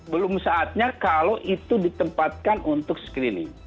belum saatnya kalau itu ditempatkan untuk screening